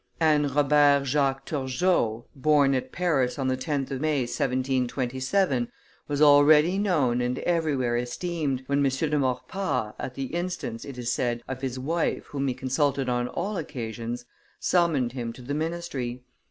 Anne Robert Jacques Turgot, born at Paris on the 10th of May, 1727, was already known and everywhere esteemed, when M. de Maurepas, at the instance, it is said, of his wife whom he consulted on all occasions, summoned him to the ministry.